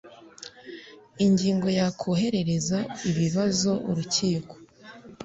Ingingo ya Koherereza ibibazo urukiko